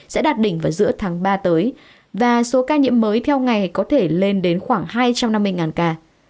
sẽ đạt đỉnh vào giữa tháng ba tới và số ca nhiễm mới theo ngày có thể lên đến khoảng hai trăm năm mươi ca